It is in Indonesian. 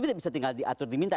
tidak bisa tinggal diatur diminta